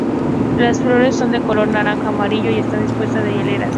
Las flores son de color naranja-amarillo y están dispuestas en hileras.